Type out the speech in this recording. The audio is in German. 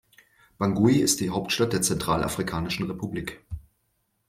Bangui ist die Hauptstadt der Zentralafrikanischen Republik.